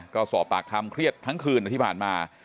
ก็สอบปากคำเครียดทั้งคืนที่ผ่านมา